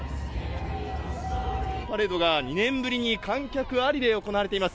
パレードが２年ぶりに観客ありで行われています。